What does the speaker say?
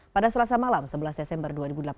pada selasa malam sebelas desember dua ribu delapan belas